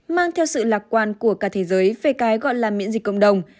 mang theo sự lạc quan của cả thế giới về cái gọi là miễn dịch cộng đồng